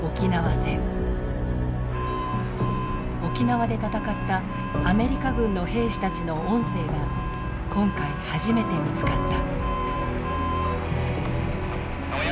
沖縄で戦ったアメリカ軍の兵士たちの音声が今回初めて見つかった。